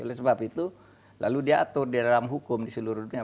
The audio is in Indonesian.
oleh sebab itu lalu diatur di dalam hukum di seluruh dunia